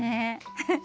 フフフフ。